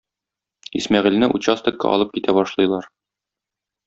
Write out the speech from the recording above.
Исмәгыйльне участокка алып китә башлыйлар.